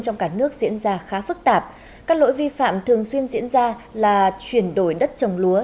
trong cả nước diễn ra khá phức tạp các lỗi vi phạm thường xuyên diễn ra là chuyển đổi đất trồng lúa